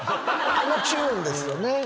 あのチューンですよね。